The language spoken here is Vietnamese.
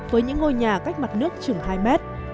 với những ngôi nhà cách mặt nước chừng hai mét